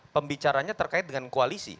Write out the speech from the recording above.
pembicaranya terkait dengan koalisi